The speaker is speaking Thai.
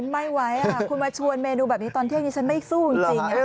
ไม่ไหวคุณมาชวนเมนูแบบนี้ตอนเที่ยงดิฉันไม่สู้จริง